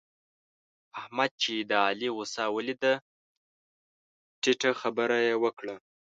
احمد چې د علي غوسه وليده؛ ټيټه خبره يې وکړه.